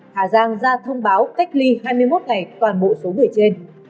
hà giang ra thông báo cách ly hai mươi một ngày toàn bộ số người trên